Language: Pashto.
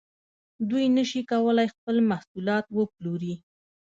دوی نشي کولای خپل محصولات وپلوري